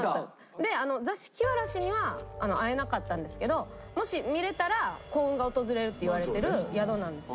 で座敷童には会えなかったんですけどもし見れたら幸運が訪れるっていわれてる宿なんですよ。